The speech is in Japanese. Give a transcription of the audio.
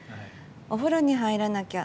お風呂に入らなきゃ。